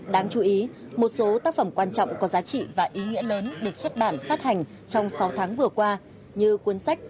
đáng chú ý một số tác phẩm quan trọng có giá trị và ý nghĩa lớn được xuất bản phát hành trong sáu tháng vừa qua như cuốn sách